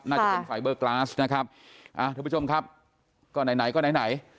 น่าจะเป็นไฟเบอร์กราสนะครับอ่าทุกผู้ชมครับก็ไหนไหนก็ไหนไหน